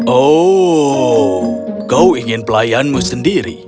oh kau ingin pelayanmu sendiri